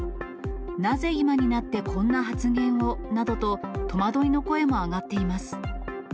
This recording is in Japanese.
なぜ今になって、こんな発言をなどと、戸惑いの声も上がっています。